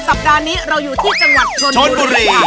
สัปดาห์นี้เราอยู่ที่จังหวัดชนบุรีค่ะ